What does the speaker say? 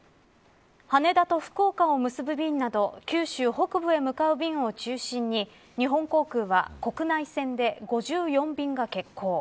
羽田と福岡を結ぶ便など九州北部へ向かう便を中心に日本航空は国内線で５４便が欠航。